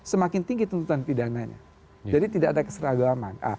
semakin tinggi tuntutan pidananya jadi tidak ada keseragaman